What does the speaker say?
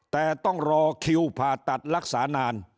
แต่ต้องรอคิวผ่าตัดรักษานาน